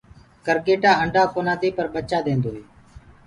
ڪَرگيٽآ انڊآ ڪونآ دي پر ڀچآ ديدو هي۔